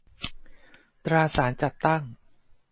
ตราสารจัดตั้ง